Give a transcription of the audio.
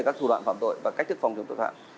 các thủ đoạn phạm tội và cách thức phòng chống tội phạm